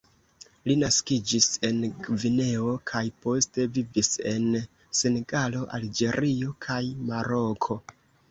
Li naskiĝis en Gvineo kaj poste vivis en Senegalo, Alĝerio kaj Maroko.